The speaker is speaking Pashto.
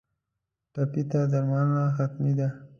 ټپي ته درملنه حتمي ده.